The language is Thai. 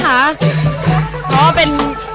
เพราะว่าเป็น